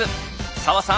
澤さん